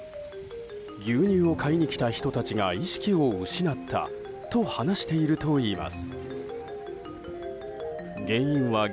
牛乳を買いに来た人たちが意識を失ったと話しているといいます。